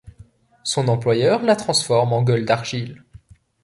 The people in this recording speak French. Son employeur la transforme en Gueule d'Argile.